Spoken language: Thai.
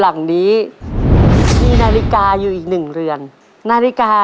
ตัวเลือดที่๓ม้าลายกับนกแก้วมาคอ